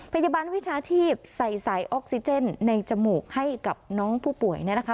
พยาบาลวิชาชีพใส่สายออกซิเจนในจมูกให้กับน้องผู้ป่วยเนี่ยนะคะ